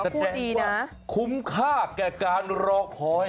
แสดงดีนะคุ้มค่าแก่การรอคอย